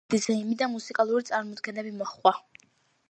ქორწილს დიდი ზეიმი და მუსიკალური წარმოდგენები მოჰყვა.